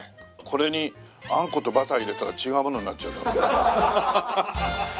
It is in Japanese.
これにあんことバター入れたら違うものになっちゃう。